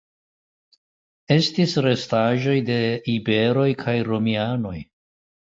Estis restaĵoj de iberoj kaj romianoj.